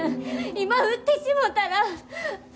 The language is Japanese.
今、売ってしもたら。